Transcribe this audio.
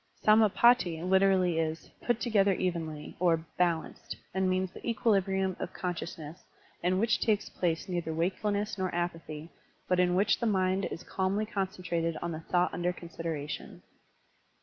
Sam^patti literally is "put together evenly" or "balanced," and means the equilibrivmi of consciousness in which takes place neither wakefulness nor apathy, but in which the mind is calmly concentrated on the thought tmder consideration.